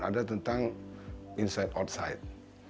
adalah tentang inside outside